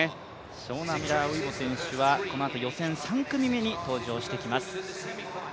ショーナ・ミラー・ウイボ選手はこのあと予選３組目に登場してきます。